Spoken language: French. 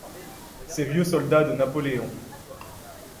Ces vieux soldats de Napoléon!